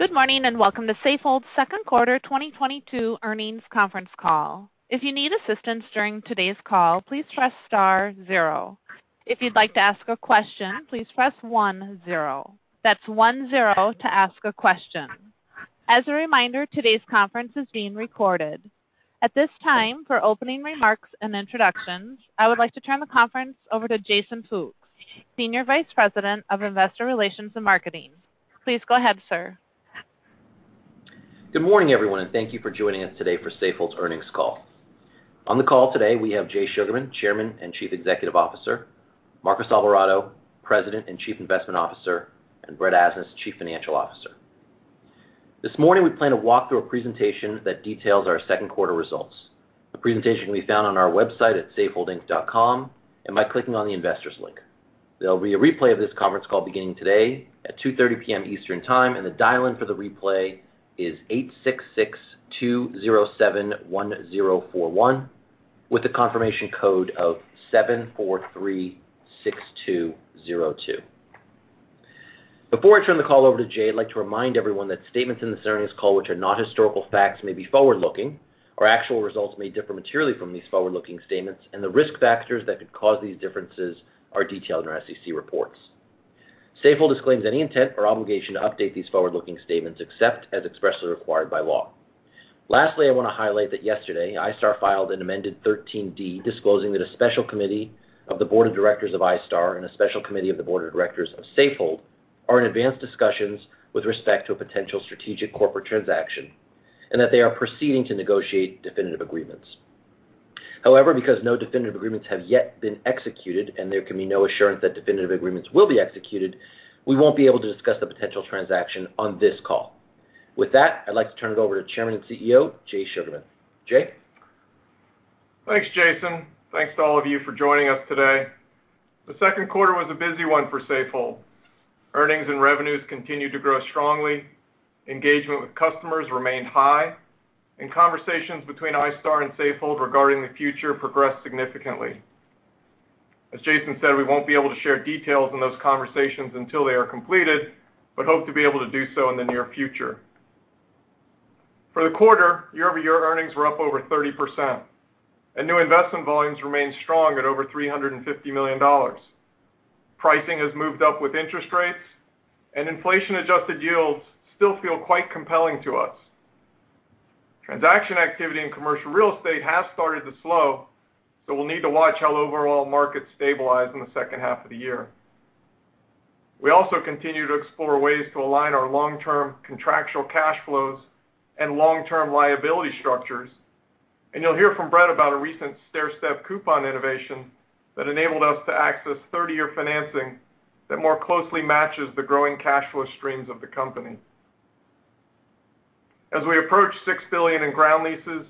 Good morning, and welcome to Safehold's second quarter 2022 earnings conference call. If you need assistance during today's call, please press star zero. If you'd like to ask a question, please press one zero. That's one zero to ask a question. As a reminder, today's conference is being recorded. At this time, for opening remarks and introductions, I would like to turn the conference over to Jason Fooks, Senior Vice President of Investor Relations and Marketing. Please go ahead, sir. Good morning, everyone, and thank you for joining us today for Safehold's earnings call. On the call today we have Jay Sugarman, Chairman and Chief Executive Officer, Marcos Alvarado, President and Chief Investment Officer, and Brett Asnas, Chief Financial Officer. This morning, we plan to walk through a presentation that details our second quarter results. The presentation can be found on our website at safeholdinc.com and by clicking on the Investors link. There will be a replay of this conference call beginning today at 2 P.M. Eastern Time, and the dial-in for the replay is 866-207-1041, with a confirmation code of 7436202. Before I turn the call over to Jay, I'd like to remind everyone that statements in this earnings call which are not historical facts may be forward-looking. Our actual results may differ materially from these forward-looking statements, and the risk factors that could cause these differences are detailed in our SEC reports. Safehold disclaims any intent or obligation to update these forward-looking statements except as expressly required by law. Lastly, I wanna highlight that yesterday, iStar filed an amended Schedule 13D disclosing that a special committee of the board of directors of iStar and a special committee of the board of directors of Safehold are in advanced discussions with respect to a potential strategic corporate transaction, and that they are proceeding to negotiate definitive agreements. However, because no definitive agreements have yet been executed and there can be no assurance that definitive agreements will be executed, we won't be able to discuss the potential transaction on this call. With that, I'd like to turn it over to Chairman and CEO, Jay Sugarman. Jay? Thanks, Jason. Thanks to all of you for joining us today. The second quarter was a busy one for Safehold. Earnings and revenues continued to grow strongly, engagement with customers remained high, and conversations between iStar and Safehold regarding the future progressed significantly. As Jason said, we won't be able to share details on those conversations until they are completed, but hope to be able to do so in the near future. For the quarter, year-over-year earnings were up over 30%, and new investment volumes remained strong at over $350 million. Pricing has moved up with interest rates, and inflation-adjusted yields still feel quite compelling to us. Transaction activity in commercial real estate has started to slow, so we'll need to watch how overall markets stabilize in the second half of the year. We also continue to explore ways to align our long-term contractual cash flows and long-term liability structures, and you'll hear from Brett about a recent step-up coupon innovation that enabled us to access 30-year financing that more closely matches the growing cash flow streams of the company. As we approach $6 billion in ground leases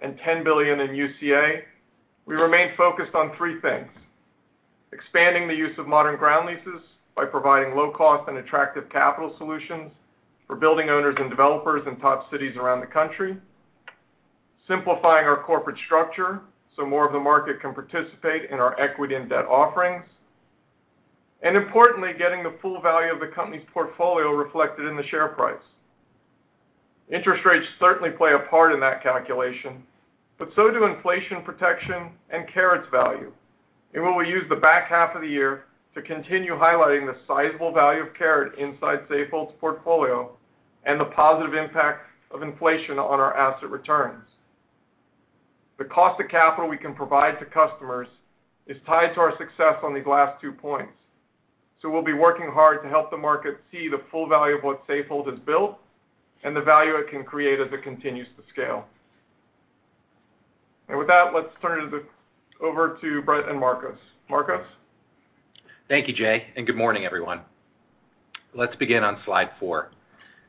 and $10 billion in UCA, we remain focused on three things, expanding the use of modern ground leases by providing low-cost and attractive capital solutions for building owners and developers in top cities around the country. Simplifying our corporate structure, so more of the market can participate in our equity and debt offerings. And importantly, getting the full value of the company's portfolio reflected in the share price. Interest rates certainly play a part in that calculation, but so do inflation protection and CARAT's value. We will use the back half of the year to continue highlighting the sizable value of CARAT inside Safehold's portfolio and the positive impact of inflation on our asset returns. The cost of capital we can provide to customers is tied to our success on these last two points, so we'll be working hard to help the market see the full value of what Safehold has built and the value it can create as it continues to scale. With that, let's turn it over to Brett and Marcos. Marcos? Thank you, Jay, and good morning, everyone. Let's begin on slide 4.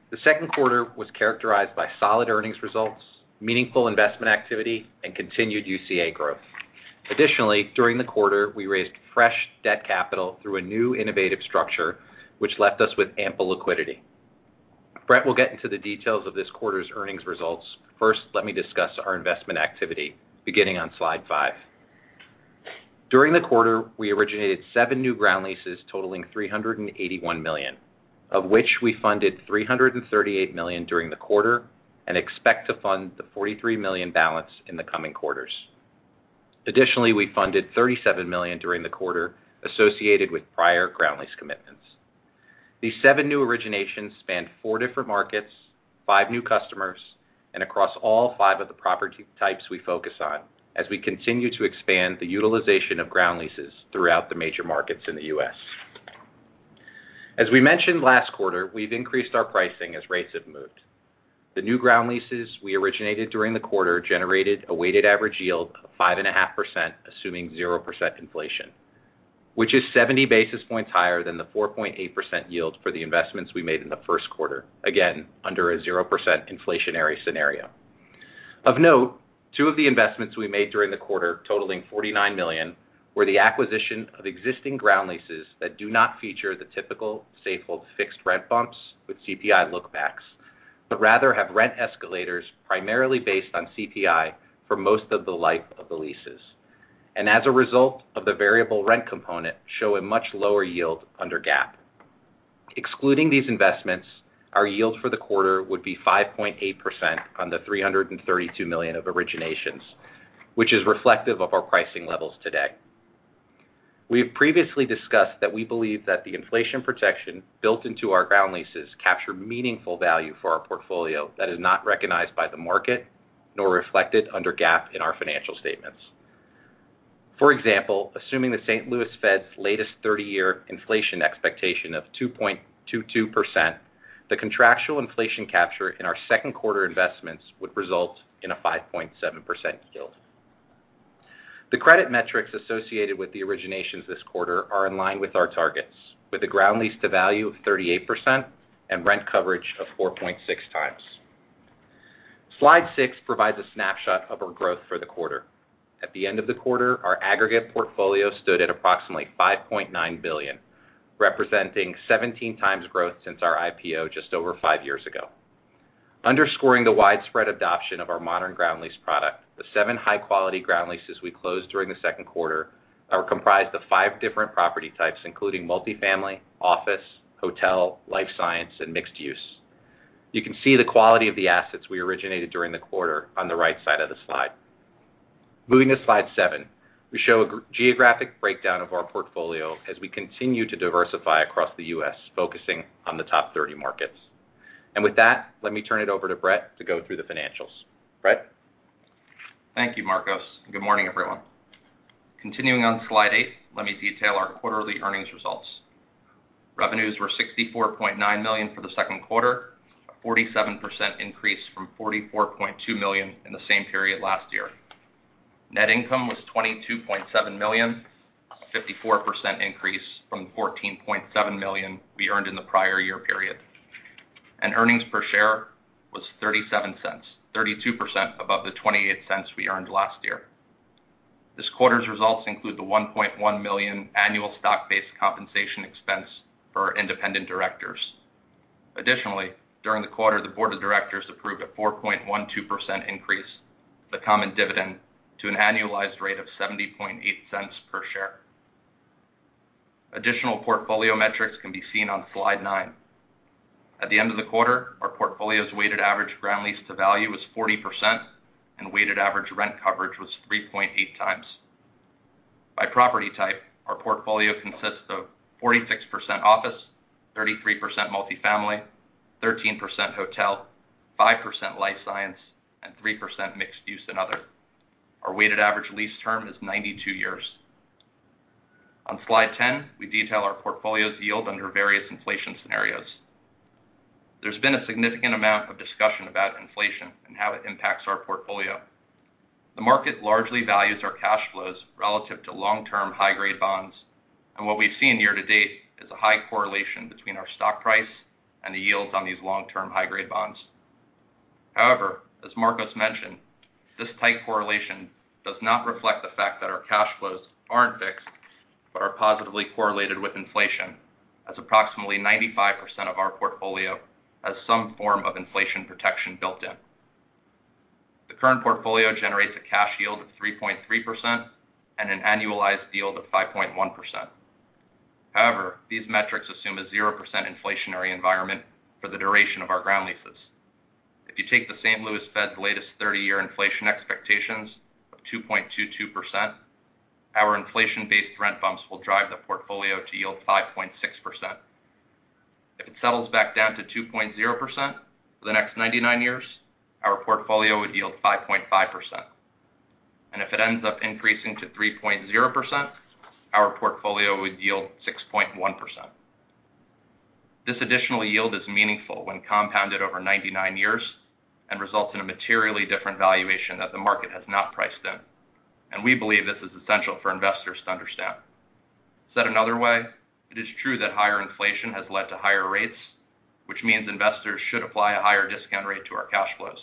The second quarter was characterized by solid earnings results, meaningful investment activity, and continued UCA growth. Additionally, during the quarter, we raised fresh debt capital through a new innovative structure, which left us with ample liquidity. Brett will get into the details of this quarter's earnings results. First, let me discuss our investment activity, beginning on slide 5. During the quarter, we originated 7 new ground leases totaling $381 million, of which we funded $338 million during the quarter and expect to fund the $43 million balance in the coming quarters. Additionally, we funded $37 million during the quarter associated with prior ground lease commitments. These 7 new originations spanned 4 different markets, 5 new customers, and across all 5 of the property types we focus on as we continue to expand the utilization of ground leases throughout the major markets in the U.S. As we mentioned last quarter, we've increased our pricing as rates have moved. The new ground leases we originated during the quarter generated a weighted average yield of 5.5%, assuming 0% inflation, which is 70 basis points higher than the 4.8% yield for the investments we made in the first quarter, again, under a 0% inflationary scenario. Of note, two of the investments we made during the quarter, totaling $49 million, were the acquisition of existing ground leases that do not feature the typical Safehold fixed rent bumps with CPI lookbacks but rather have rent escalators primarily based on CPI for most of the life of the leases. As a result of the variable rent component, show a much lower yield under GAAP. Excluding these investments, our yield for the quarter would be 5.8% on the $332 million of originations, which is reflective of our pricing levels today. We have previously discussed that we believe that the inflation protection built into our ground leases capture meaningful value for our portfolio that is not recognized by the market nor reflected under GAAP in our financial statements. For example, assuming the St. Louis Fed's. latest 30-year inflation expectation of 2.22%, the contractual inflation capture in our second quarter investments would result in a 5.7% yield. The credit metrics associated with the originations this quarter are in line with our targets, with a Ground Lease to Value of 38% and rent coverage of 4.6x. Slide 6 provides a snapshot of our growth for the quarter. At the end of the quarter, our aggregate portfolio stood at approximately $5.9 billion, representing 17x growth since our IPO just over five years ago. Underscoring the widespread adoption of our modern ground lease product, the seven high-quality ground leases we closed during the second quarter are comprised of five different property types, including multifamily, office, hotel, life science, and mixed use. You can see the quality of the assets we originated during the quarter on the right side of the slide. Moving to slide 7, we show a geographic breakdown of our portfolio as we continue to diversify across the U.S., focusing on the top 30 markets. With that, let me turn it over to Brett to go through the financials. Brett? Thank you, Marcos. Good morning, everyone. Continuing on slide eight, let me detail our quarterly earnings results. Revenues were $64.9 million for the second quarter, a 47% increase from $44.2 million in the same period last year. Net income was $22.7 million, a 54% increase from the $14.7 million we earned in the prior year period. Earnings per share was $0.37, 32% above the $0.28 we earned last year. This quarter's results include the $1.1 million annual stock-based compensation expense for our independent directors. Additionally, during the quarter, the board of directors approved a 4.12% increase to the common dividend to an annualized rate of $0.708 per share. Additional portfolio metrics can be seen on slide nine. At the end of the quarter, our portfolio's weighted average Ground Lease to Value was 40% and weighted average rent coverage was 3.8 times. By property type, our portfolio consists of 46% office, 33% multifamily, 13% hotel, 5% life science, and 3% mixed use and other. Our weighted average lease term is 92 years. On slide 10, we detail our portfolio's yield under various inflation scenarios. There's been a significant amount of discussion about inflation and how it impacts our portfolio. The market largely values our cash flows relative to long-term high-grade bonds, and what we've seen year-to-date is a high correlation between our stock price and the yields on these long-term high-grade bonds. However, as Marcos mentioned, this tight correlation does not reflect the fact that our cash flows aren't fixed but are positively correlated with inflation as approximately 95% of our portfolio has some form of inflation protection built in. The current portfolio generates a cash yield of 3.3% and an annualized yield of 5.1%. However, these metrics assume a 0% inflationary environment for the duration of our ground leases. If you take the St. Louis Fed's latest thirty-year inflation expectations of 2.22%, our inflation-based rent bumps will drive the portfolio to yield 5.6%. If it settles back down to 2.0% for the next 99 years, our portfolio would yield 5.5%. If it ends up increasing to 3.0%, our portfolio would yield 6.1%. This additional yield is meaningful when compounded over 99 years and results in a materially different valuation that the market has not priced in. We believe this is essential for investors to understand. Said another way, it is true that higher inflation has led to higher rates, which means investors should apply a higher discount rate to our cash flows.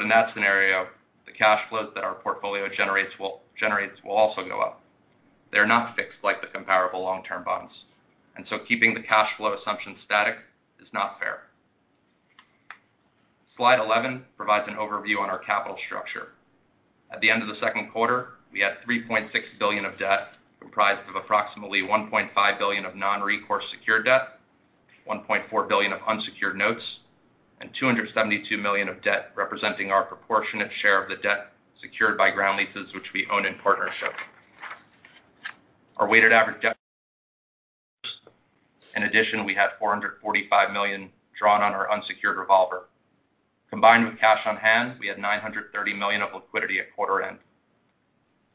In that scenario, the cash flows that our portfolio generates will also go up. They are not fixed like the comparable long-term bonds. Keeping the cash flow assumption static is not fair. Slide 11 provides an overview on our capital structure. At the end of the second quarter, we had $3.6 billion of debt, comprised of approximately $1.5 billion of non-recourse secured debt, $1.4 billion of unsecured notes, and $272 million of debt representing our proportionate share of the debt secured by ground leases which we own in partnership. In addition, we had $445 million drawn on our unsecured revolver. Combined with cash on hand, we had $930 million of liquidity at quarter end.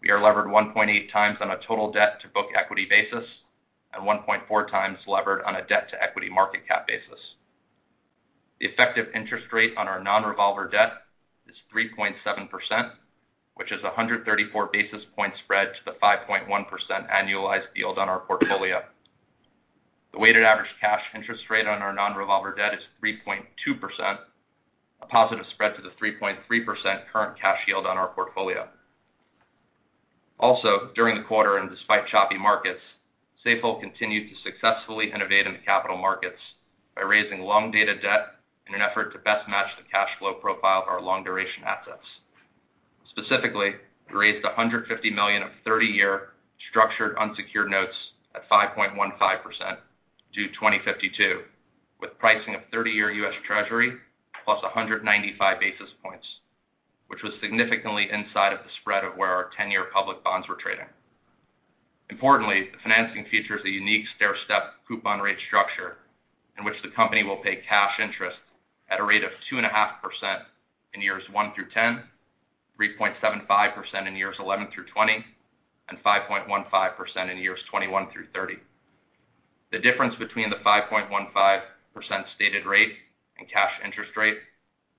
We are levered 1.8x on a total debt to book equity basis and 1.4x levered on a debt to equity market cap basis. The effective interest rate on our non-revolver debt is 3.7%, which is a 134 basis point spread to the 5.1% annualized yield on our portfolio. The weighted average cash interest rate on our non-revolver debt is 3.2%, a positive spread to the 3.3% current cash yield on our portfolio. Also, during the quarter and despite choppy markets, Safehold continued to successfully innovate in the capital markets by raising long-dated debt in an effort to best match the cash flow profile of our long-duration assets. Specifically, we raised $150 million of 30-year structured unsecured notes at 5.15% due 2052, with pricing of 30-year U.S. Treasury plus 195 basis points, which was significantly inside of the spread of where our 10-year public bonds were trading. Importantly, the financing features a unique stairstep coupon rate structure in which the company will pay cash interest at a rate of 2.5% in years 1 through 10, 3.75% in years 11 through 20, and 5.15% in years 21 through 30. The difference between the 5.15% stated rate and cash interest rate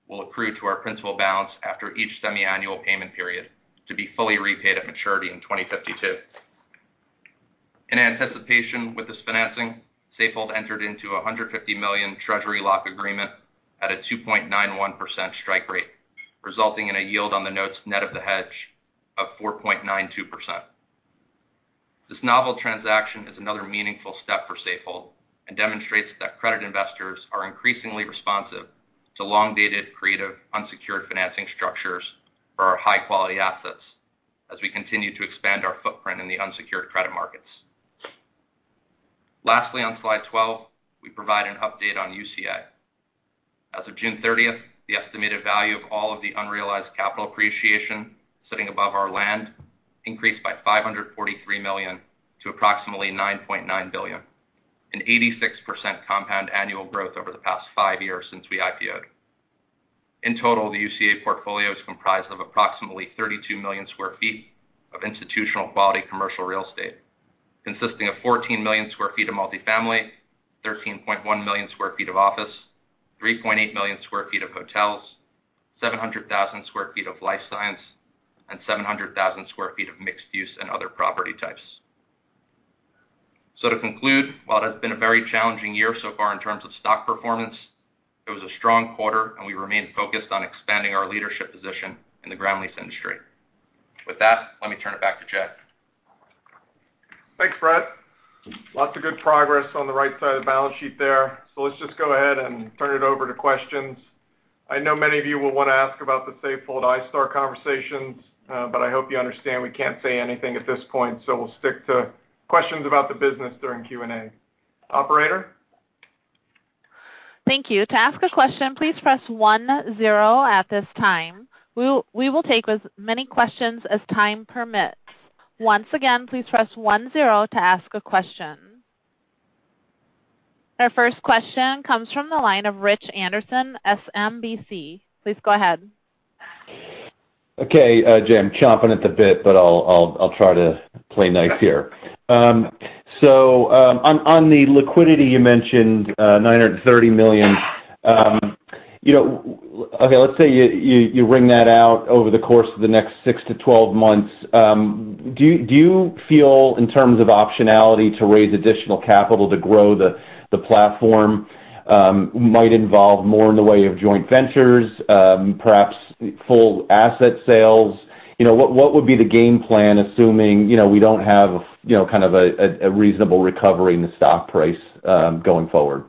will accrue to our principal balance after each semiannual payment period to be fully repaid at maturity in 2052. In anticipation of this financing, Safehold entered into a $150 million Treasury lock agreement at a 2.91% strike rate, resulting in a yield on the notes net of the hedge of 4.92%. This novel transaction is another meaningful step for Safehold and demonstrates that credit investors are increasingly responsive to long-dated, creative, unsecured financing structures for our high-quality assets as we continue to expand our footprint in the unsecured credit markets. Lastly, on slide 12, we provide an update on UCA. As of June 30, the estimated value of all of the unrealized capital appreciation sitting above our land increased by $543 million to approximately $9.9 billion, an 86% compound annual growth over the past five years since we IPO'd. In total, the UCA portfolio is comprised of approximately 32 million sq ft of institutional quality commercial real estate, consisting of 14 million sq ft of multi-family, 13.1 million sq ft of office, 3.8 million sq ft of hotels, 700,000 sq ft of life science, and 700,000 sq ft of mixed use and other property types. To conclude, while it has been a very challenging year so far in terms of stock performance, it was a strong quarter, and we remain focused on expanding our leadership position in the ground lease industry. With that, let me turn it back to Jay. Thanks, Brett. Lots of good progress on the right side of the balance sheet there. Let's just go ahead and turn it over to questions. I know many of you will wanna ask about the Safehold iStar conversations, but I hope you understand we can't say anything at this point, so we'll stick to questions about the business during Q&A. Operator? Thank you. To ask a question, please press one zero at this time. We will take as many questions as time permits. Once again, please press one zero to ask a question. Our first question comes from the line of Richard Anderson, SMBC. Please go ahead. Okay. Jay, I'm chomping at the bit, but I'll try to play nice here. So, on the liquidity, you mentioned $930 million. You know, okay, let's say you wring that out over the course of the next six to 12 months. Do you feel in terms of optionality to raise additional capital to grow the platform might involve more in the way of joint ventures, perhaps full asset sales? You know, what would be the game plan, assuming we don't have kind of a reasonable recovery in the stock price going forward?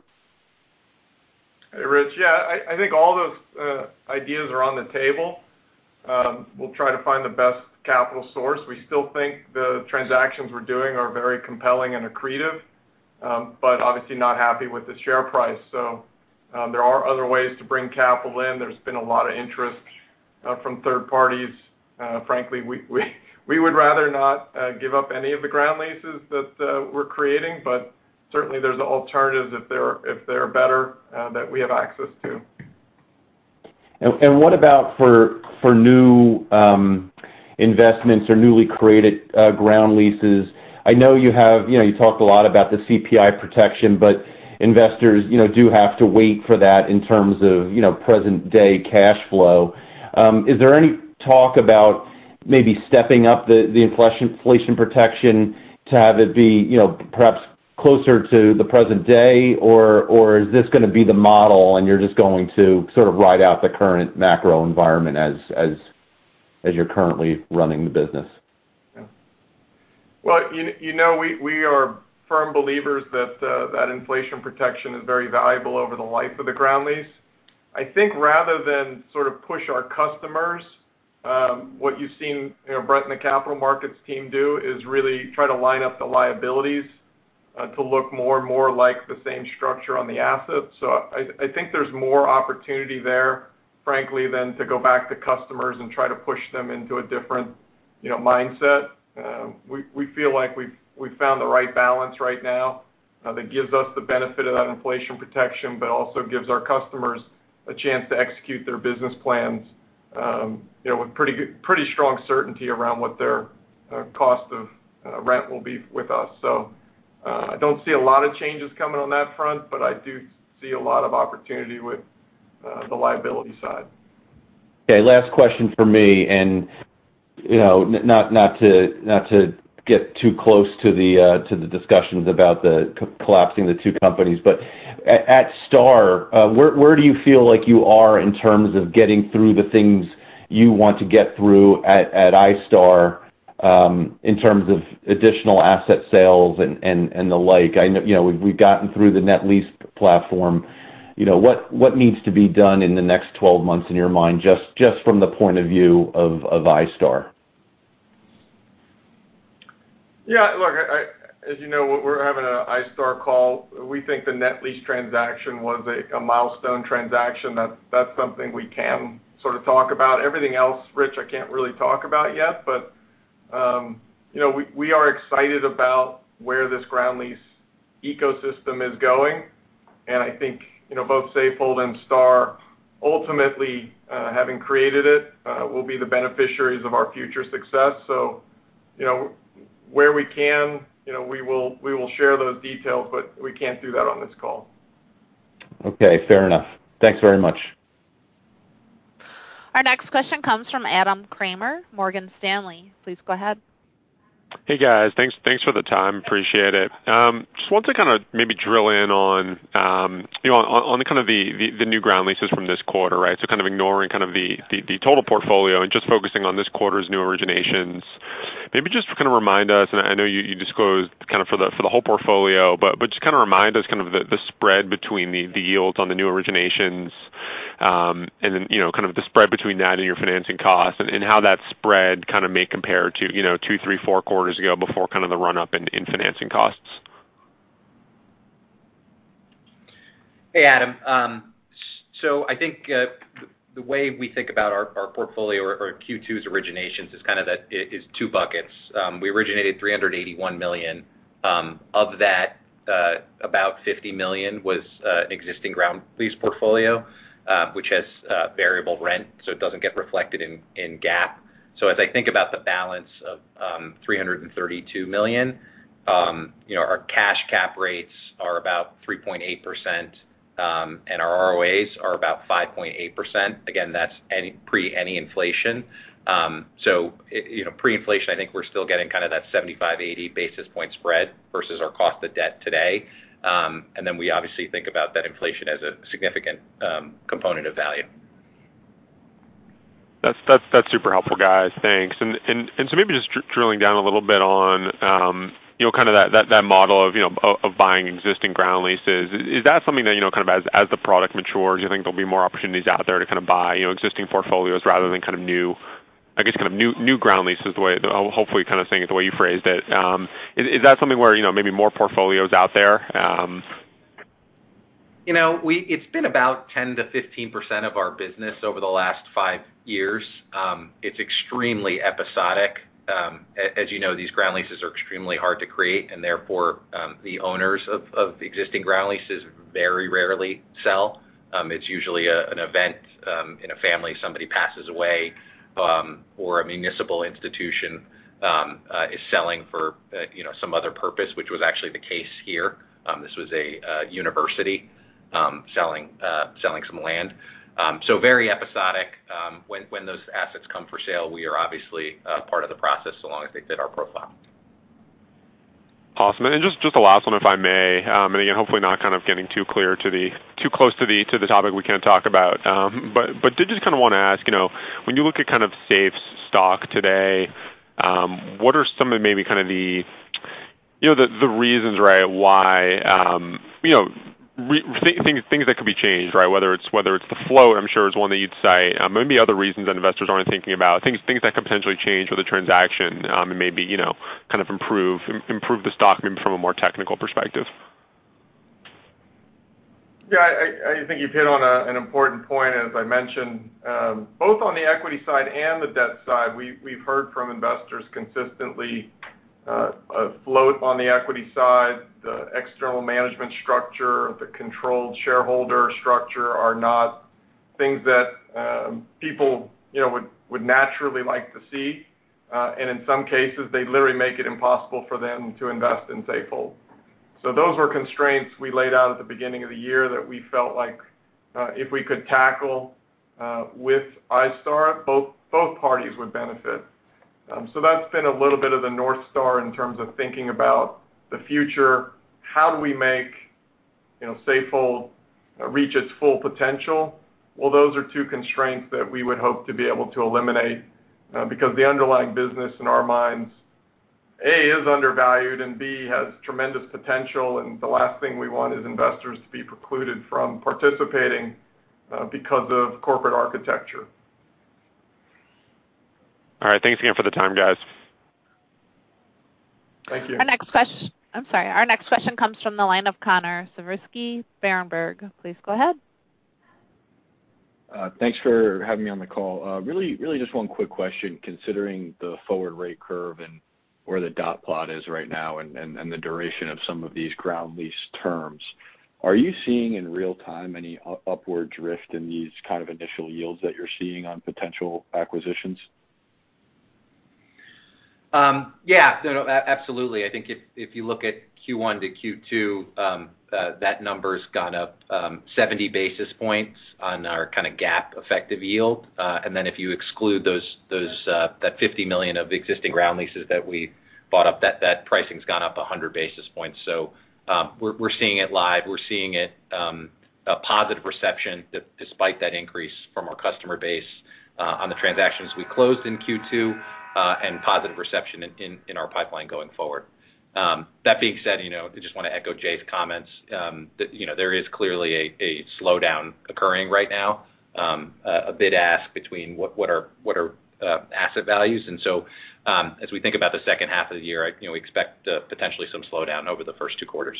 Hey, Rich. Yeah, I think all those ideas are on the table. We'll try to find the best capital source. We still think the transactions we're doing are very compelling and accretive, but obviously not happy with the share price. There are other ways to bring capital in. There's been a lot of interest from third parties. Frankly, we would rather not give up any of the ground leases that we're creating, but certainly there's alternatives if they're better that we have access to. What about for new investments or newly created ground leases? You know, you talked a lot about the CPI protection, but investors, you know, do have to wait for that in terms of, you know, present day cash flow. Is there any talk about maybe stepping up the inflation protection to have it be, you know, perhaps closer to the present day, or is this gonna be the model and you're just going to sort of ride out the current macro environment as you're currently running the business? You know, we are firm believers that inflation protection is very valuable over the life of the ground lease. I think rather than sort of push our customers, what you've seen, you know, Brett and the capital markets team do is really try to line up the liabilities to look more and more like the same structure on the assets. I think there's more opportunity there, frankly, than to go back to customers and try to push them into a different, you know, mindset. We feel like we've found the right balance right now that gives us the benefit of that inflation protection, but also gives our customers a chance to execute their business plans, you know, with pretty strong certainty around what their cost of rent will be with us. I don't see a lot of changes coming on that front, but I do see a lot of opportunity with the liability side. Okay. Last question from me, and you know, not to get too close to the discussions about the coalescing the two companies, but at iStar, where do you feel like you are in terms of getting through the things you want to get through at iStar? In terms of additional asset sales and the like. I know, you know, we've gotten through the net lease platform. You know, what needs to be done in the next 12 months in your mind, just from the point of view of iStar? Yeah. Look, as you know, we're having an iStar call. We think the net lease transaction was a milestone transaction. That's something we can sort of talk about. Everything else, Rich, I can't really talk about yet. You know, we are excited about where this ground lease ecosystem is going. I think, you know, both Safehold and iStar ultimately, having created it, will be the beneficiaries of our future success. You know, where we can, you know, we will share those details, but we can't do that on this call. Okay. Fair enough. Thanks very much. Our next question comes from Adam Kramer, Morgan Stanley. Please go ahead. Hey, guys. Thanks for the time. Appreciate it. Just want to kind of maybe drill in on you know on the kind of the new ground leases from this quarter, right? Kind of ignoring kind of the total portfolio and just focusing on this quarter's new originations. Maybe just to kind of remind us, and I know you disclosed kind of for the whole portfolio. Just kind of remind us kind of the spread between the yields on the new originations, and then you know kind of the spread between that and your financing costs and how that spread kind of may compare to you know 2, 3, 4 quarters ago before kind of the run-up in financing costs. Hey, Adam. I think the way we think about our portfolio or Q2's originations is kind of that is two buckets. We originated $381 million. Of that, about $50 million was existing ground lease portfolio, which has variable rent, so it doesn't get reflected in GAAP. As I think about the balance of $332 million, you know, our cash cap rates are about 3.8%, and our ROAs are about 5.8%. Again, that's pre any inflation. You know, pre-inflation, I think we're still getting kind of that 75-80 basis point spread versus our cost of debt today. We obviously think about that inflation as a significant component of value. That's super helpful, guys. Thanks. Maybe just drilling down a little bit on, you know, kind of that model of, you know, of buying existing ground leases. Is that something that, you know, kind of as the product matures, do you think there'll be more opportunities out there to kind of buy, you know, existing portfolios rather than kind of new, I guess kind of new ground leases, the way hopefully kind of saying it the way you phrased it. Is that something where, you know, maybe more portfolios out there? You know, it's been about 10%-15% of our business over the last five years. It's extremely episodic. As you know, these ground leases are extremely hard to create, and therefore, the owners of the existing ground leases very rarely sell. It's usually an event in a family, somebody passes away, or a municipal institution is selling for, you know, some other purpose, which was actually the case here. This was a university selling some land. Very episodic. When those assets come for sale, we are obviously part of the process so long as they fit our profile. Awesome. Just the last one, if I may, and again, hopefully not kind of getting too close to the topic we can't talk about. But did just kind of wanna ask, you know, when you look at kind of SAFE's stock today, what are some of the maybe kind of the, you know, the reasons, right, why, you know, things that could be changed, right? Whether it's the flow, I'm sure is one that you'd cite. Maybe other reasons that investors aren't thinking about. Things that could potentially change with a transaction, and maybe, you know, kind of improve the stock maybe from a more technical perspective. Yeah. I think you've hit on an important point. As I mentioned, both on the equity side and the debt side, we've heard from investors consistently, a float on the equity side, the external management structure, the controlled shareholder structure are not things that, people, you know, would naturally like to see. In some cases, they literally make it impossible for them to invest in Safehold. Those were constraints we laid out at the beginning of the year that we felt like, if we could tackle, with iStar, both parties would benefit. That's been a little bit of the North Star in terms of thinking about the future, how do we make, you know, Safehold, reach its full potential? Well, those are two constraints that we would hope to be able to eliminate, because the underlying business in our minds, A, is undervalued, and B, has tremendous potential. The last thing we want is investors to be precluded from participating, because of corporate architecture. All right. Thanks again for the time, guys. Thank you. Our next question comes from the line of Connor Siversky, Berenberg. Please go ahead. Thanks for having me on the call. Really just one quick question, considering the forward rate curve and where the dot plot is right now and the duration of some of these ground lease terms. Are you seeing in real-time any upward drift in these kind of initial yields that you're seeing on potential acquisitions? Absolutely. I think if you look at Q1 to Q2, that number's gone up 70 basis points on our kind of GAAP effective yield. And then if you exclude those, that $50 million of existing ground leases that we bought up, that pricing's gone up 100 basis points. We're seeing it live. We're seeing a positive reception despite that increase from our customer base on the transactions we closed in Q2, and positive reception in our pipeline going forward. That being said, you know, I just wanna echo Jay's comments, that you know, there is clearly a slowdown occurring right now, a bid ask between what are asset values. As we think about the second half of the year, you know, we expect potentially some slowdown over the first two quarters.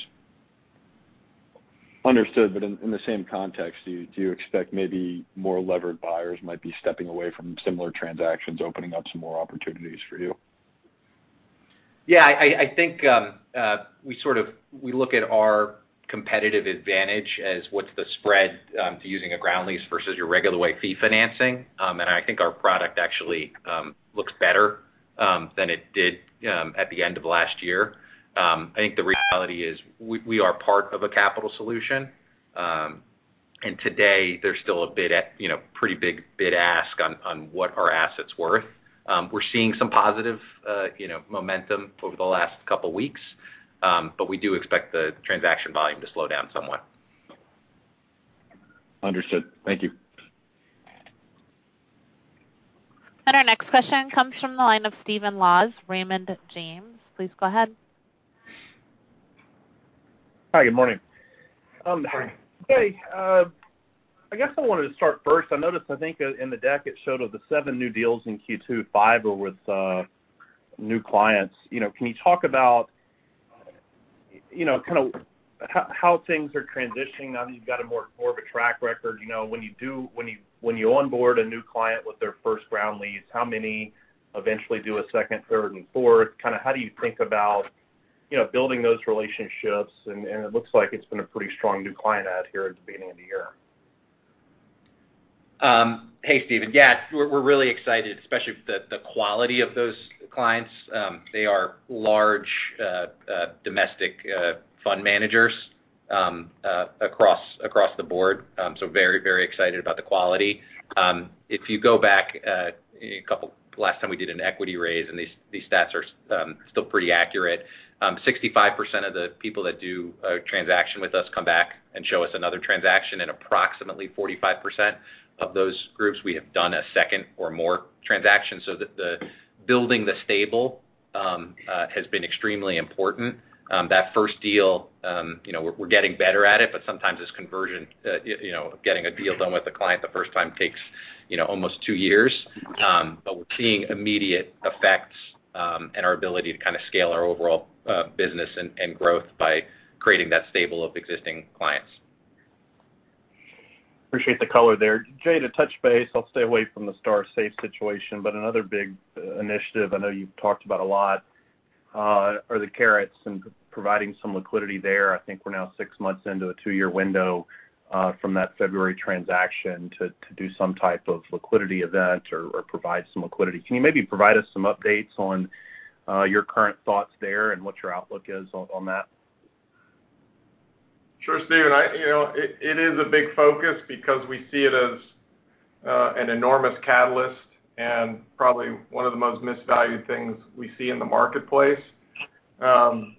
Understood. In the same context, do you expect maybe more levered buyers might be stepping away from similar transactions, opening up some more opportunities for you? Yeah, I think we look at our competitive advantage as what's the spread to using a ground lease versus your regular way fee financing. I think our product actually looks better than it did at the end of last year. I think the reality is we are part of a capital solution. Today, there's still a you know, pretty big bid-ask on what our assets are worth. We're seeing some positive you know, momentum over the last couple weeks, but we do expect the transaction volume to slow down somewhat. Understood. Thank you. Our next question comes from the line of Stephen Laws, Raymond James. Please go ahead. Hi, good morning. Good morning. Okay. I guess I wanted to start first. I noticed, I think, in the deck it showed the seven new deals in Q2. 5 were with new clients. You know, can you talk about, you know, kinda how things are transitioning now that you've got more of a track record? You know, when you onboard a new client with their first ground lease, how many eventually do a second, third, and fourth? Kinda how do you think about, you know, building those relationships? It looks like it's been a pretty strong new client add here at the beginning of the year. Hey, Stephen. Yeah, we're really excited, especially with the quality of those clients. They are large domestic fund managers across the board. So very excited about the quality. If you go back, last time we did an equity raise, and these stats are still pretty accurate. 65% of the people that do a transaction with us come back and show us another transaction, and approximately 45% of those groups, we have done a second or more transactions. So the building the stable has been extremely important. That first deal, you know, we're getting better at it, but sometimes it's conversion, you know, getting a deal done with the client the first time takes almost two years. We're seeing immediate effects in our ability to kinda scale our overall business and growth by creating that stable of existing clients. Appreciate the color there. Jay, to touch base, I'll stay away from the iStar Safehold situation. Another big initiative I know you've talked about a lot are the CARATs and providing some liquidity there. I think we're now six months into a two year window from that February transaction to do some type of liquidity event or provide some liquidity. Can you maybe provide us some updates on your current thoughts there and what your outlook is on that? Sure, Stephen. It is a big focus because we see it as an enormous catalyst and probably one of the most misvalued things we see in the marketplace. Our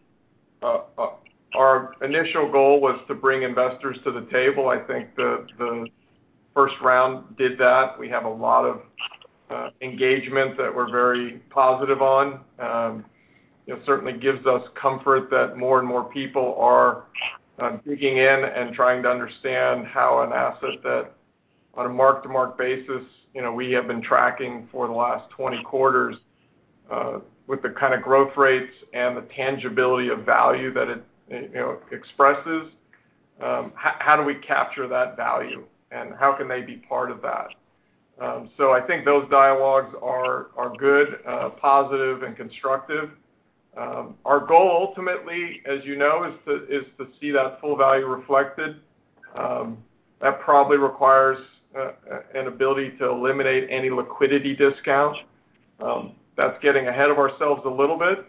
initial goal was to bring investors to the table. I think the first round did that. We have a lot of engagement that we're very positive on. It certainly gives us comfort that more and more people are digging in and trying to understand how an asset that on a mark-to-market basis we have been tracking for the last 20 quarters with the kind of growth rates and the tangibility of value that it expresses. How do we capture that value and how can they be part of that? I think those dialogues are good, positive, and constructive. Our goal ultimately, as you know, is to see that full value reflected. That probably requires an ability to eliminate any liquidity discount. That's getting ahead of ourselves a little bit.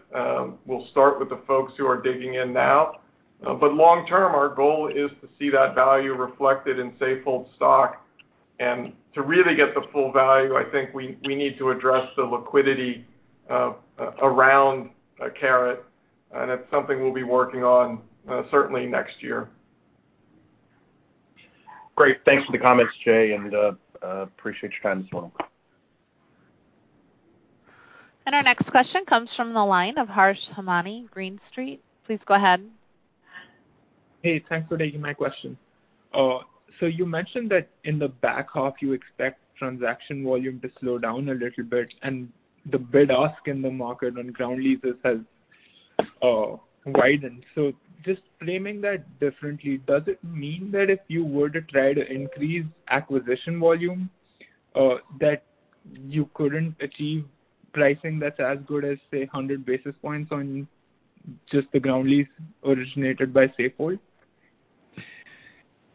We'll start with the folks who are digging in now. Long term, our goal is to see that value reflected in Safehold stock. To really get the full value, I think we need to address the liquidity around a CARAT, and it's something we'll be working on certainly next year. Great. Thanks for the comments, Jay, and appreciate your time as well. Our next question comes from the line of Harsh Hemnani, Green Street. Please go ahead. Hey, thanks for taking my question. You mentioned that in the back half, you expect transaction volume to slow down a little bit, and the bid-ask in the market on ground leases has widened. Just framing that differently, does it mean that if you were to try to increase acquisition volume, that you couldn't achieve pricing that's as good as, say, 100 basis points on just the ground lease originated by Safehold?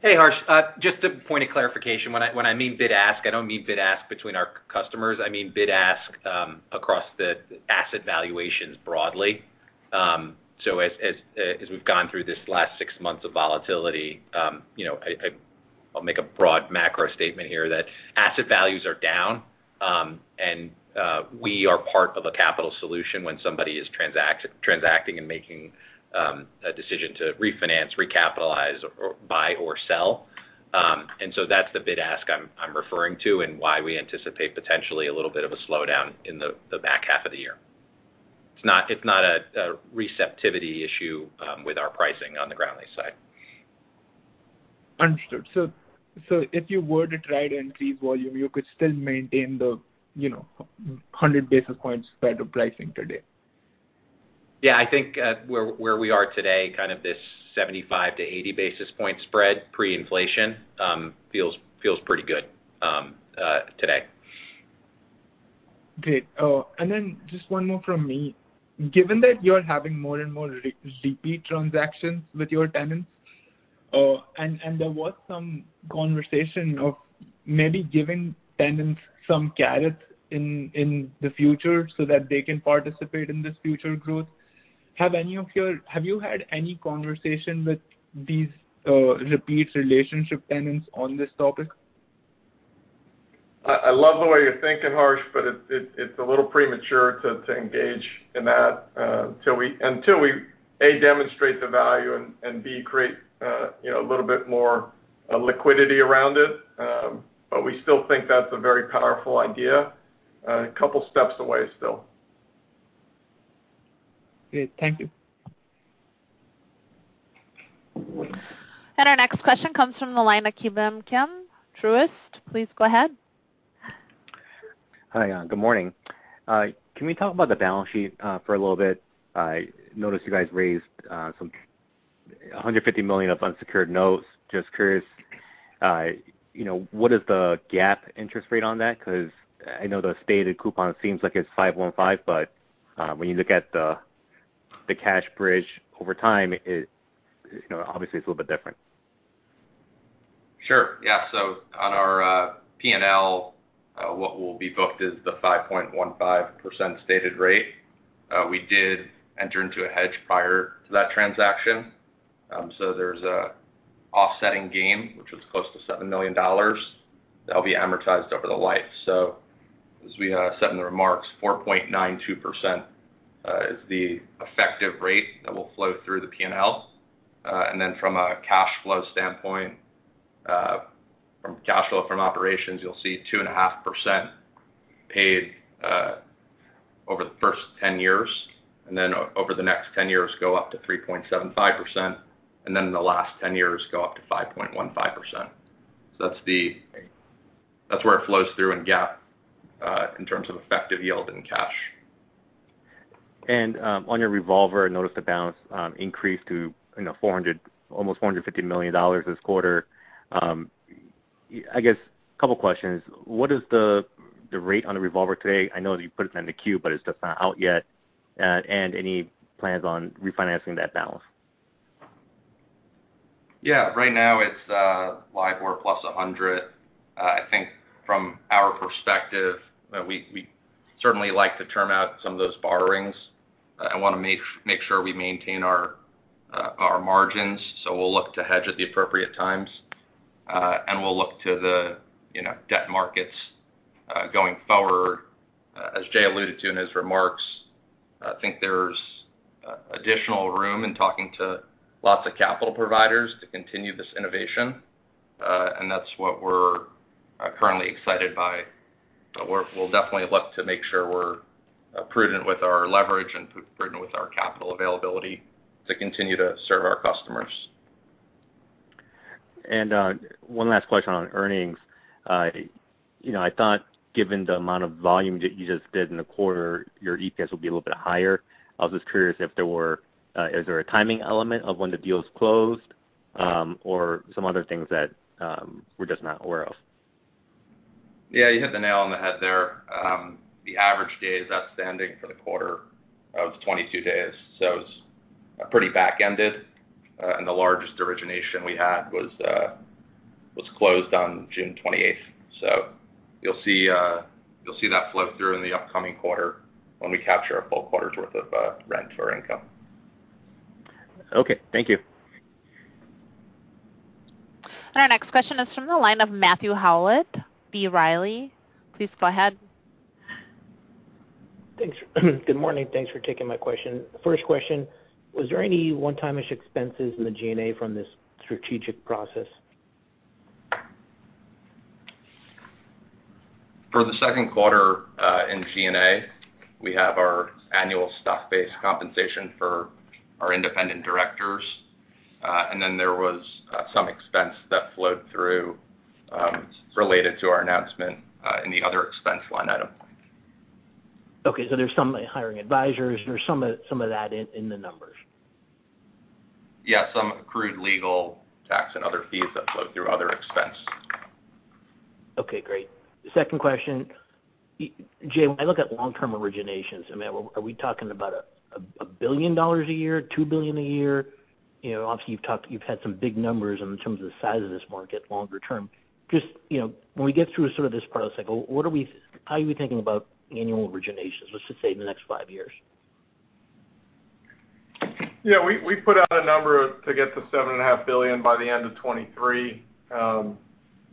Hey, Harsh Hemnani. Just a point of clarification. When I mean bid-ask, I don't mean bid-ask between our customers. I mean bid-ask across the asset valuations broadly. As we've gone through this last six months of volatility, you know, I I'll make a broad macro statement here that asset values are down, and we are part of a capital solution when somebody is transacting and making a decision to refinance, recapitalize or buy or sell. That's the bid ask I'm referring to and why we anticipate potentially a little bit of a slowdown in the back half of the year. It's not a receptivity issue with our pricing on the ground lease side. Understood. If you were to try and increase volume, you could still maintain the, you know, 100 basis points spread of pricing today? Yeah. I think where we are today, kind of this 75-80 basis point spread pre-inflation feels pretty good today. Great. Just one more from me. Given that you're having more and more repeat transactions with your tenants, and there was some conversation of maybe giving tenants some carrot in the future so that they can participate in this future growth. Have you had any conversation with these repeat relationship tenants on this topic? I love the way you're thinking, Harsh, but it's a little premature to engage in that until we A, demonstrate the value, and B, create you know, a little bit more liquidity around it. We still think that's a very powerful idea. A couple steps away still. Great. Thank you. Our next question comes from the line of Ki Bin Kim, Truist. Please go ahead. Hi. Good morning. Can we talk about the balance sheet for a little bit? I noticed you guys raised $150 million of unsecured notes. Just curious, you know, what is the GAAP interest rate on that? Because I know the stated coupon seems like it's 5.15%, but when you look at the cash bridge over time, it, you know, obviously it's a little bit different. Sure. Yeah. On our P&L, what will be booked is the 5.15% stated rate. We did enter into a hedge prior to that transaction. There's an offsetting gain, which was close to $7 million that'll be amortized over the life. As we said in the remarks, 4.92% is the effective rate that will flow through the P&L. From a cash flow standpoint, from cash flow from operations, you'll see 2.5% paid over the first 10 years, and then over the next 10 years go up to 3.75%, and then in the last 10 years go up to 5.15%. That's where it flows through in GAAP, in terms of effective yield and cash. On your revolver, I noticed the balance increased to, you know, $400 million, almost $450 million this quarter. I guess a couple questions. What is the rate on the revolver today? I know that you put it in the queue, but it's just not out yet. Any plans on refinancing that balance? Yeah. Right now it's LIBOR plus 100. I think from our perspective, we certainly like to term out some of those borrowings. I wanna make sure we maintain our margins, so we'll look to hedge at the appropriate times. We'll look to the, you know, debt markets going forward. As Jay alluded to in his remarks, I think there's additional room in talking to lots of capital providers to continue this innovation, and that's what we're currently excited by. We'll definitely look to make sure we're prudent with our leverage and prudent with our capital availability to continue to serve our customers. One last question on earnings. You know, I thought given the amount of volume that you just did in the quarter, your EPS will be a little bit higher. I was just curious, is there a timing element of when the deal is closed, or some other things that we're just not aware of? Yeah, you hit the nail on the head there. The average days outstanding for the quarter was 22 days, so it's pretty back-ended. The largest origination we had was closed on June 28th. You'll see that flow through in the upcoming quarter when we capture a full quarter's worth of rent or income. Okay. Thank you. Our next question is from the line of Matthew Howlett, B. Riley. Please go ahead. Thanks. Good morning. Thanks for taking my question. First question, was there any one-time-ish expenses in the G&A from this strategic process? For the second quarter, in G&A, we have our annual stock-based compensation for our independent directors. There was some expense that flowed through, related to our announcement, in the other expense line item. Okay. There's some, like, hiring advisors. There's some of that in the numbers. Yeah. Some accrued legal, tax, and other fees that flowed through other expense. Okay, great. Second question. Jay, when I look at long-term originations, I mean, are we talking about $1 billion a year, $2 billion a year? You know, obviously, you've had some big numbers in terms of the size of this market longer term. Just, you know, when we get through sort of this part of the cycle, how are you thinking about annual originations, let's just say in the next five years? Yeah, we put out a number to get to $7.5 billion by the end of 2023.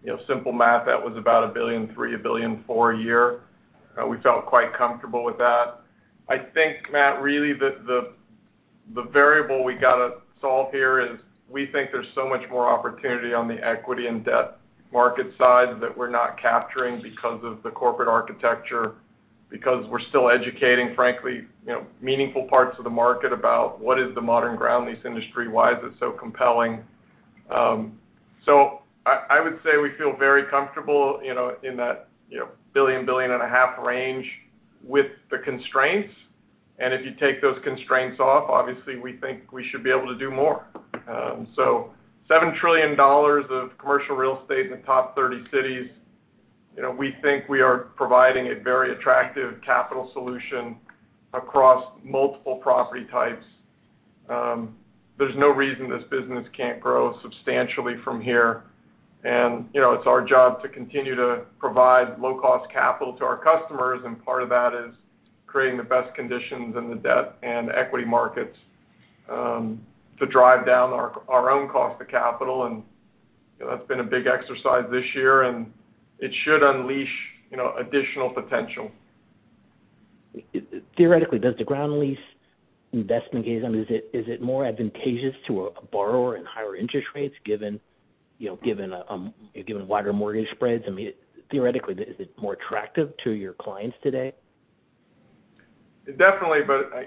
You know, simple math, that was about $1.3 billion-$1.4 billion a year. We felt quite comfortable with that. I think, Matthew, really the variable we gotta solve here is we think there's so much more opportunity on the equity and debt market side that we're not capturing because of the corporate architecture, because we're still educating, frankly, you know, meaningful parts of the market about what is the modern ground lease industry, why is it so compelling. So I would say we feel very comfortable, you know, in that $1 billion-$1.5 billion range with the constraints. If you take those constraints off, obviously we think we should be able to do more. $7 trillion of commercial real estate in the top 30 cities. You know, we think we are providing a very attractive capital solution across multiple property types. There's no reason this business can't grow substantially from here. You know, it's our job to continue to provide low-cost capital to our customers, and part of that is creating the best conditions in the debt and equity markets, to drive down our own cost of capital. You know, that's been a big exercise this year, and it should unleash additional potential. Theoretically, does the ground lease investment game, I mean, is it more advantageous to a borrower in higher interest rates given wider mortgage spreads? I mean, theoretically, is it more attractive to your clients today? Definitely.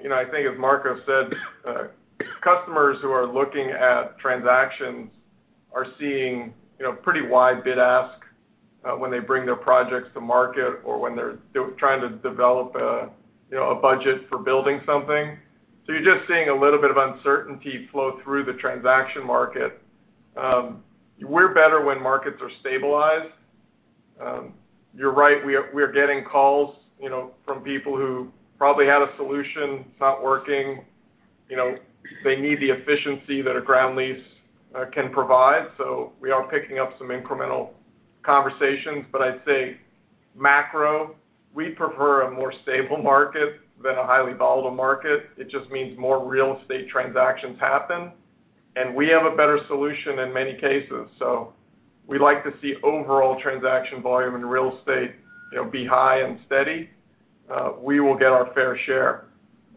You know, I think as Marco said, customers who are looking at transactions are seeing, you know, pretty wide bid-ask, when they bring their projects to market or when they're trying to develop a, you know, a budget for building something. You're just seeing a little bit of uncertainty flow through the transaction market. We're better when markets are stabilized. You're right, we are getting calls, you know, from people who probably had a solution, it's not working. You know, they need the efficiency that a ground lease can provide. We are picking up some incremental conversations. I'd say macro, we prefer a more stable market than a highly volatile market. It just means more real estate transactions happen, and we have a better solution in many cases. We like to see overall transaction volume in real estate, you know, be high and steady. We will get our fair share.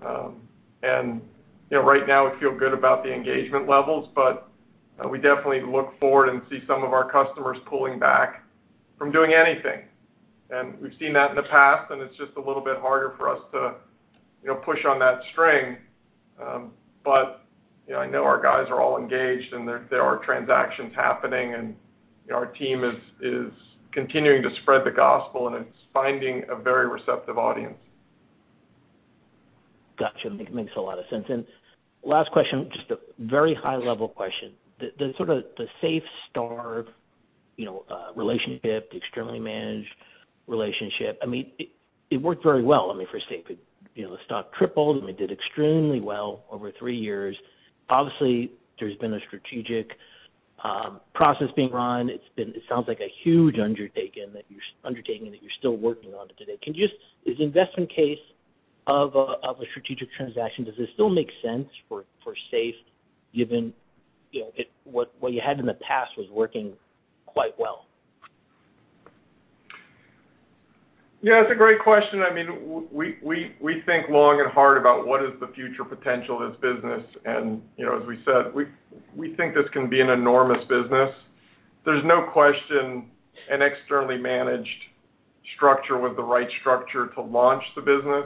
You know, right now we feel good about the engagement levels, but we definitely look forward and see some of our customers pulling back from doing anything. We've seen that in the past, and it's just a little bit harder for us to, you know, push on that string. You know, I know our guys are all engaged, and there are transactions happening. You know, our team is continuing to spread the gospel, and it's finding a very receptive audience. Gotcha. Makes a lot of sense. Last question, just a very high-level question. The sort of iStar, you know, relationship, externally managed relationship. I mean, it worked very well. I mean, for Safe, you know, the stock tripled, and they did extremely well over three years. Obviously, there's been a strategic process being run. It sounds like a huge undertaking that you're still working on today. Can you just is the investment case of a strategic transaction, does this still make sense for Safe given, you know, what you had in the past was working quite well? Yeah, it's a great question. I mean, we think long and hard about what is the future potential of this business. You know, as we said, we think this can be an enormous business. There's no question an externally managed structure was the right structure to launch the business.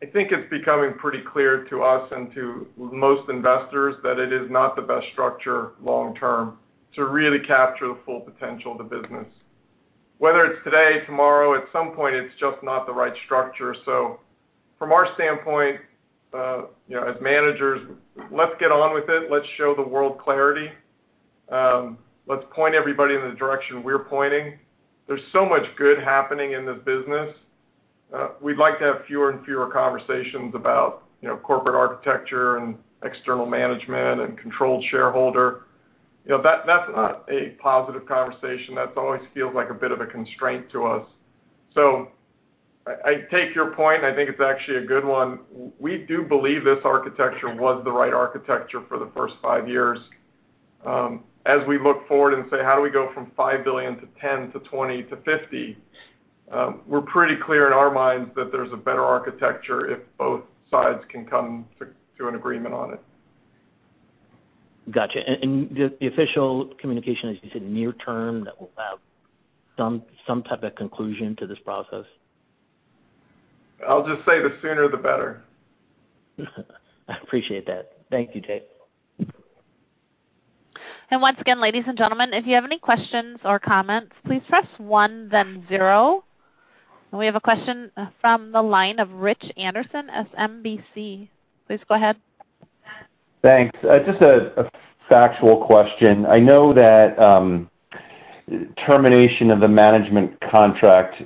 I think it's becoming pretty clear to us and to most investors that it is not the best structure long-term to really capture the full potential of the business. Whether it's today, tomorrow, at some point, it's just not the right structure. From our standpoint, you know, as managers, let's get on with it. Let's show the world clarity. Let's point everybody in the direction we're pointing. There's so much good happening in this business. We'd like to have fewer and fewer conversations about, you know, corporate architecture and external management and controlled shareholder. You know, that's not a positive conversation. That always feels like a bit of a constraint to us. I take your point. I think it's actually a good one. We do believe this architecture was the right architecture for the first five years. As we look forward and say, how do we go from $5 billion-$10 billion-$20 billion-$50 billion? We're pretty clear in our minds that there's a better architecture if both sides can come to an agreement on it. Gotcha. The official communication, as you said, near term, that will have some type of conclusion to this process? I'll just say, the sooner the better. I appreciate that. Thank you, Jay. Once again, ladies and gentlemen, if you have any questions or comments, please press one then zero. We have a question from the line of Richard Anderson, SMBC. Please go ahead. Thanks. Just a factual question. I know that termination of the management contract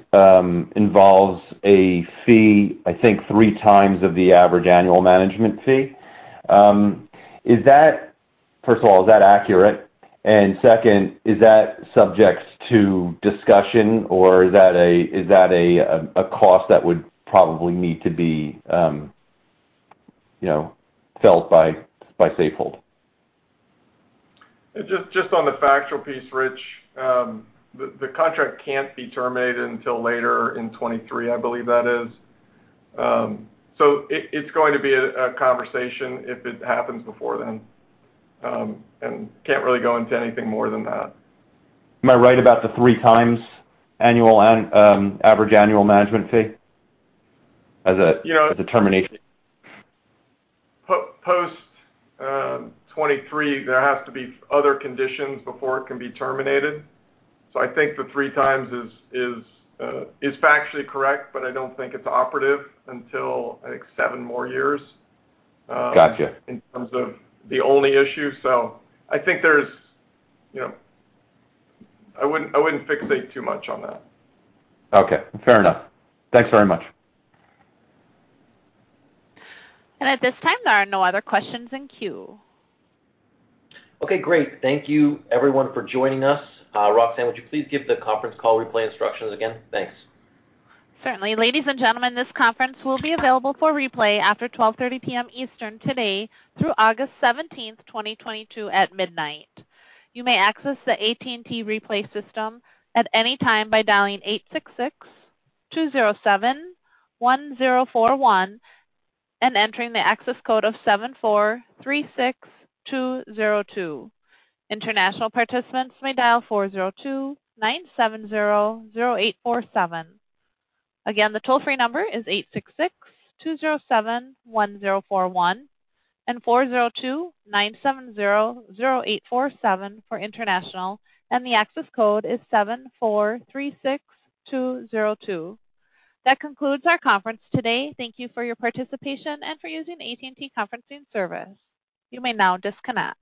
involves a fee, I think 3x of the average annual management fee. First of all, is that accurate? Second, is that subject to discussion or is that a cost that would probably need to be, you know, felt by Safehold? Just on the factual piece, Rich, the contract can't be terminated until later in 2023, I believe that is. It's going to be a conversation if it happens before then. Can't really go into anything more than that. Am I right about the 3x average annual management fee? You know. As a termination? Post-2023, there has to be other conditions before it can be terminated. I think the three times is factually correct, but I don't think it's operative until, I think, seven more years. Gotcha. In terms of the only issue. I think there's, you know, I wouldn't fixate too much on that. Okay. Fair enough. Thanks very much. At this time, there are no other questions in queue. Okay, great. Thank you everyone for joining us. Roxanne, would you please give the conference call replay instructions again? Thanks. Certainly. Ladies and gentlemen, this conference will be available for replay after 12:30 P.M. Eastern today through August 17, 2022, at midnight. You may access the AT&T replay system at any time by dialing 866-207-1041 and entering the access code of 7436202. International participants may dial 402-970-0847. Again, the toll-free number is 866-207-1041 and 402-970-0847 for international, and the access code is 7436202. That concludes our conference today. Thank you for your participation and for using AT&T conferencing service. You may now disconnect.